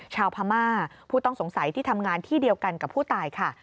ชาวพม่าผู้ต้องสงสัยที่ทำงานที่เดียวกันกับผู้ตายค่ะ